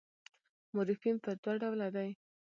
مورفیم پر دوه ډوله دئ.